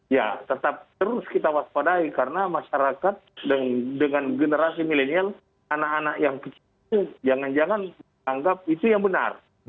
ya tetap terus kita waspadai karena masyarakat dengan generasi milenial anak anak yang kecil itu jangan jangan menganggap itu yang benar